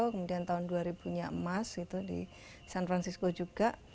kemudian tahun dua ribu nya emas di san francisco juga